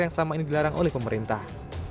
yang selama ini dilarang oleh pemerintah